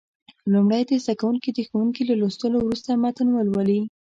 لومړی دې زده کوونکي د ښوونکي له لوستلو وروسته متن ولولي.